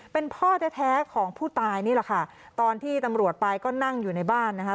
เป็นพ่อแท้ของผู้ตายนี่แหละค่ะตอนที่ตำรวจไปก็นั่งอยู่ในบ้านนะคะ